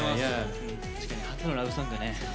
確かに初のラブソングね。